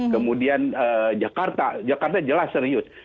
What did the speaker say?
kemudian jakarta jakarta jelas serius